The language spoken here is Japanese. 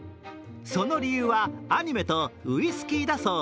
その理由は、アニメとウイスキーだそう。